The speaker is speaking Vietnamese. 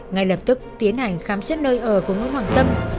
ngay lập tức tiến hành khám xét nơi ở của nguyễn hoàng tâm